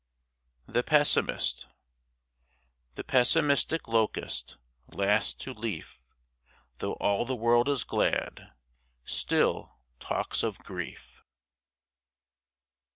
THE PESSIMIST The pessimistic locust, last to leaf, Though all the world is glad, still talks of grief.